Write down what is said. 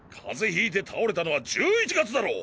ひいて倒れたのは１１月だろ！